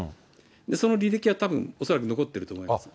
その履歴はたぶん、恐らく残ってると思います。